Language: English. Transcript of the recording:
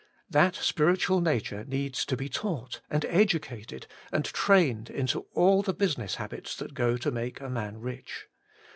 That spir itual nature needs to be taught and edu cated and trained into all the business hab its that go to make a man rich.